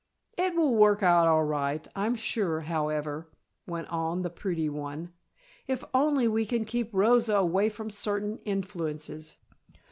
"It will work out all right; I'm sure, however," went on the pretty one, "if only we can keep Rosa away from certain influences.